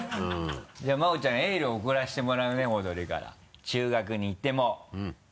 じゃあ真央ちゃんエールを送らせてもらうねオードリーから中学に行っても。